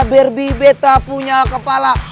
berbi betta punya kepala